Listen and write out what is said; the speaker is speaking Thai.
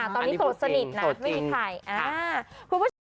ตอนนี้โสดสนิทนะไม่มีใคร